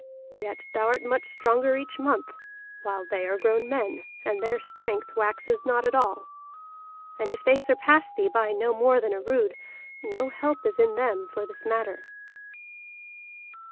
Yet thou art much stronger each month, while they are grown men, and their strength waxes not at all. And if they surpass thee by no more than a rood, no help is in them for this matter."